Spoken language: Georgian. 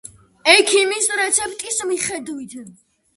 ექიმის რეცეპტის მიხედვით!